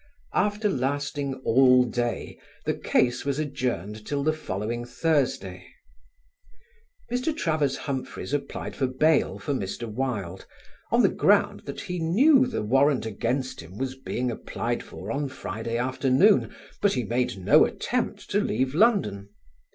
After lasting all day the case was adjourned till the following Thursday. Mr. Travers Humphreys applied for bail for Mr. Wilde, on the ground that he knew the warrant against him was being applied for on Friday afternoon, but he made no attempt to leave London.